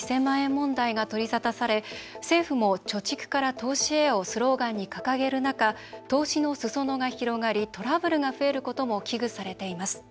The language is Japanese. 問題が取り沙汰され政府も「貯蓄から投資へ」をスローガンに掲げる中投資のすそ野が広がりトラブルが増えることも危惧されています。